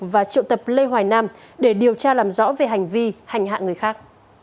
và triệu tập lê hoài nam để điều tra làm rõ về hành vi hành hạ người khác